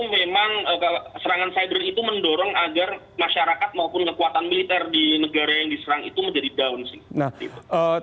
memang serangan cyber itu mendorong agar masyarakat maupun kekuatan militer di negara yang diserang itu menjadi down sih